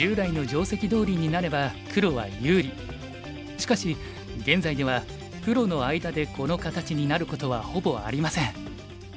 しかし現在ではプロの間でこの形になることはほぼありません。